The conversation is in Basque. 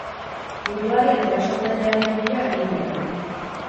Hirugarren erasotzailearen bila ari dira.